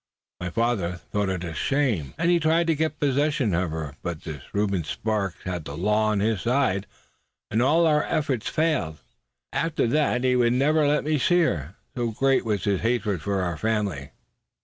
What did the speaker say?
My father thought it a shame, and tried to get possession of her; but this Reuben Sparks had the law on his side, and all our efforts failed. After that he would never even let me see her, so great was his hatred for our family.